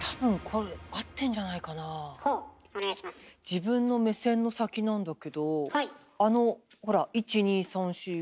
自分の目線の先なんだけどあのほら「１２３４５６７８９０」。